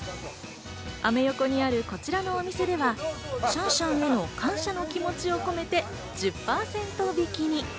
アメ横にあるこちらのお店ではシャンシャンへの感謝の気持ちを込めて、１０％引きに。